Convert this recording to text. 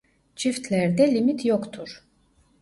Çiftlerde limit yoktur.